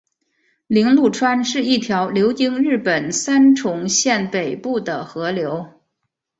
铃鹿川是一条流经日本三重县北部的河流。